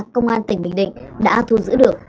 công an tỉnh bình định đã thu giữ được